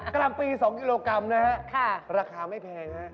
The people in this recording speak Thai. ลำปี๒กิโลกรัมนะฮะราคาไม่แพงฮะ